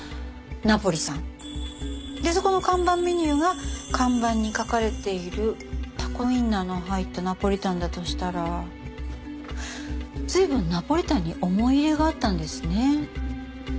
でそこの看板メニューが看板に描かれているタコウインナーの入ったナポリタンだとしたら随分ナポリタンに思い入れがあったんですね。